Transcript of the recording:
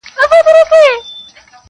هر څوک يې د خپلې پوهې له مخې تفسيروي,